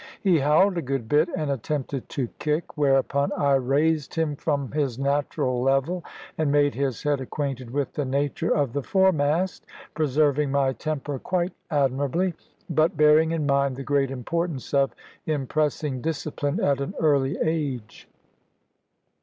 He howled a good bit, and attempted to kick; whereupon I raised him from his natural level, and made his head acquainted with the nature of the foremast, preserving my temper quite admirably, but bearing in mind the great importance of impressing discipline at an early age.